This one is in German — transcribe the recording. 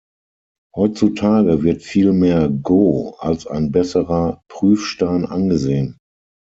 Heutzutage wird vielmehr Go als ein besserer Prüfstein angesehen.